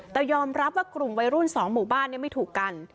แต่ยอมรับว่ากลุ่มวัยรุ่น๒หมู่บ้านไม่ถูกกัน